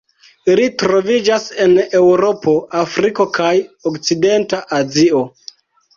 Ili troviĝas en Eŭropo, Afriko kaj okcidenta Azio.